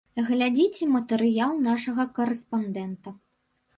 Глядзіце матэрыял нашага карэспандэнта.